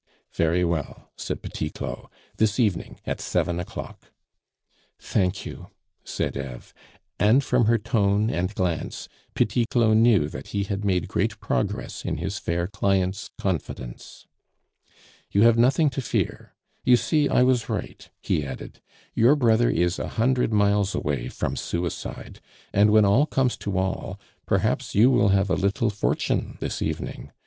"Very well," said Petit Claud; "this evening, at seven o'clock." "Thank you," said Eve; and from her tone and glance Petit Claud knew that he had made great progress in his fair client's confidence. "You have nothing to fear; you see I was right," he added. "Your brother is a hundred miles away from suicide, and when all comes to all, perhaps you will have a little fortune this evening.